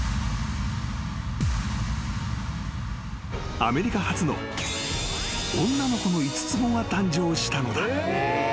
［アメリカ初の女の子の五つ子が誕生したのだ］